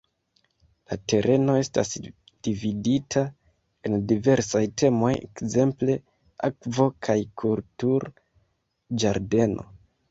La tereno estas dividita en diversaj temoj, ekzemple "akvo- kaj kultur-ĝardeno".